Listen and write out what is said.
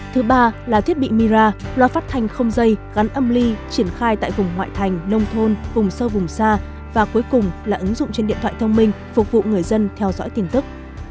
thứ ba là thiết bị mira loa phát thanh không dây gắn âm ly triển khai tại vùng ngoại thành nông thôn vùng sâu vùng xa và cuối cùng là ứng dụng trên điện thoại thông minh phục vụ người dân theo dõi tin tức